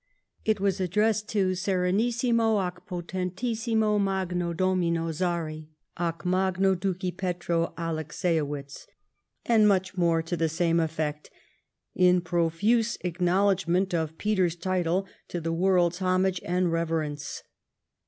It was addressed to ' Serenissimo ac Potentissimo Magno Domino Czaei ac magno Duci Petro Alexiowitz,' and much more to the same effect, in profuse acknowledgment of Peter's title to B 2 4 THE REIGN OF QUEEN ANNE. ch. xxi. the world's homage and reverence.